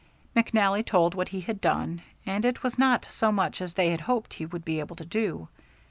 McNally told what he had done, and it was not so much as they had hoped he would be able to do.